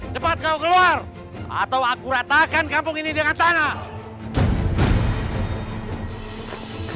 cepat kau keluar atau aku ratakan kampung ini dengan tanah